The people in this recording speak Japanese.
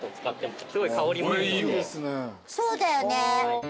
そうだよね。